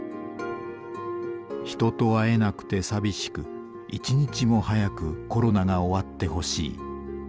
「人と会えなくて寂しく一日も早くコロナが終わってほしい」。